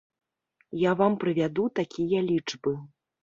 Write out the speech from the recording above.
Я вам прывяду такія лічбы.